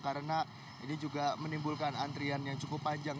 karena ini juga menimbulkan antrian yang cukup panjang